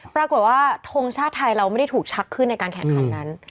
ปรากฏว่าทงชาติไทยเราไม่ได้ถูกชักขึ้นในการแข่งขันนั้น